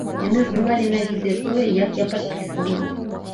Яны здымалі на відэа тое, як я падпісвала.